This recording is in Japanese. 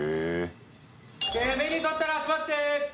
メニュー取ったら集まって！